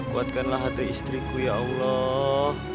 kuatkanlah hati istriku ya allah